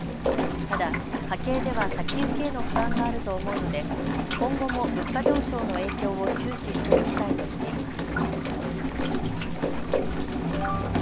ただ家計では先行きへの不安があると思うので今後も物価上昇の影響を注視していきたいとしています。